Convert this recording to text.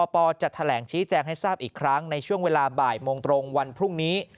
ปจะแถลงชี้แจงให้ทราบอีกครั้งในช่วงเวลาบ่ายโมงตรงวันพรุ่งนี้